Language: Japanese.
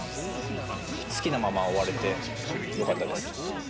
好きなまま終われてよかったです。